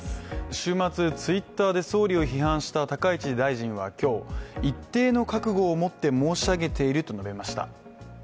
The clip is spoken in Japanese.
週末Ｔｗｉｔｔｅｒで総理を批判した高市大臣は今日、一定の覚悟を持って申し上げていると述べました。